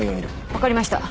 分かりました。